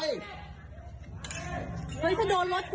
เฮ้ยกลับไปแล้วกลับไป